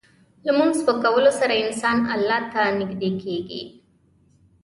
د لمونځ په کولو سره انسان الله ته نږدې کېږي.